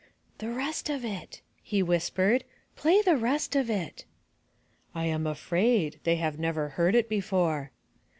"The rest of it," he whispered. "Play the rest of it!" "I am afraid. They have never heard it before."